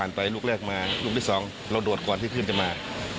นะคะคุณพ่อบอกว่า